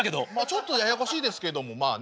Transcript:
ちょっとややこしいですけどもまあね。